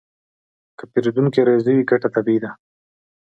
که پیرودونکی راضي وي، ګټه طبیعي ده.